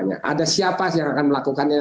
ada siapa yang akan melakukan